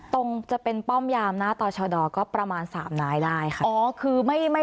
จะเป็นป้อมยามหน้าต่อชด็ประมาณ๓นายได้ค่ะ